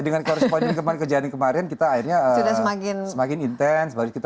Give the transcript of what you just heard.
dengan corresponding kejadian kemarin kita akhirnya semakin intense